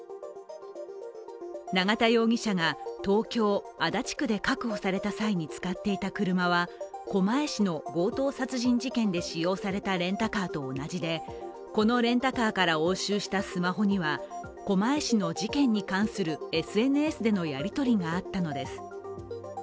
永田容疑者が東京・足立区で確保された際に使っていた車は狛江市の強盗殺人事件で使用されたレンタカーと同じでこのレンタカーから押収したスマホには狛江市の事件に関するＳＮＳでのやり取りがあったのです。